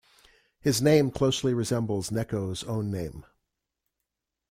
His name closely resembles Necho's own name.